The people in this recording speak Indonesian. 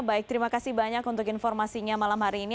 baik terima kasih banyak untuk informasinya malam hari ini